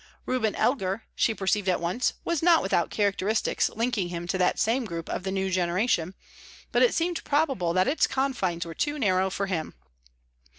Reuben Elgar, she perceived at once, was not without characteristics linking him to that same group of the new generation, but it seemed probable that its confines were too narrow for him.